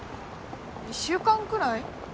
１週間くらい？